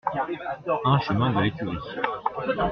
un chemin de l'Ecurie